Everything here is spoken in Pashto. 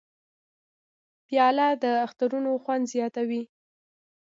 پیاله د اخترونو خوند زیاتوي.